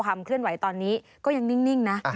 เคลื่อนไหวตอนนี้ก็ยังนิ่งนะ